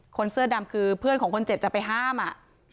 เสื้อดำคือเพื่อนของคนเจ็บจะไปห้ามอ่ะ